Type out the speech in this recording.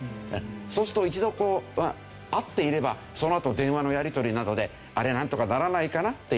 そうすると一度会っていればそのあと電話のやり取りなどであれなんとかならないかなっていう。